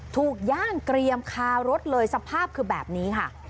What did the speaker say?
ย่างเกรียมคารถเลยสภาพคือแบบนี้ค่ะ